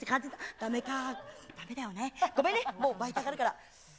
だめだよね、ごめんね、もう、バイト上がるから。